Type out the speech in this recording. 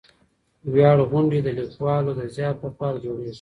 ویاړ غونډې د لیکوالو د زیار په پار جوړېږي.